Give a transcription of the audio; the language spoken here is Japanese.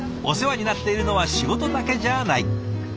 お世話になっているのは仕事だけじゃない。